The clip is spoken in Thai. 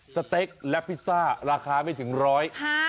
สเต็กและพิซซ่าราคาไม่ถึงร้อย